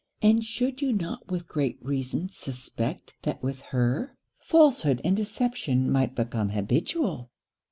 and should you not with great reason suspect that with her, falsehood and deception might become habitual?'